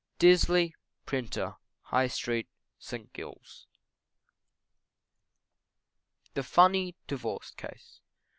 DISLEY, Printer, High Street, St. Giles's. THE FUNNY DIVORCE CASE.